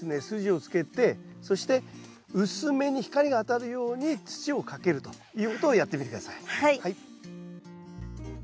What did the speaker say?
筋をつけてそして薄めに光が当たるように土をかけるということをやってみて下さい。